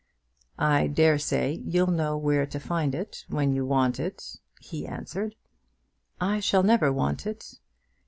"I dare say you'll know where to find it when you want it," he answered. "I shall never want it."